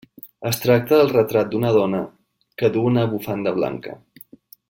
Es tracta del retrat d'una dona que duu una bufanda blanca.